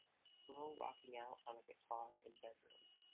girl rocking out on a guitar in bedroom